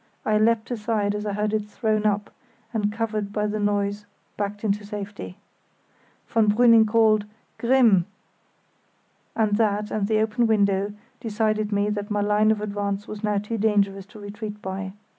I leapt aside as I heard it thrown up, and covered by the noise backed into safety. Von Brüning called "Grimm!" and that, and the open window, decided me that my line of advance was now too dangerous to retreat by.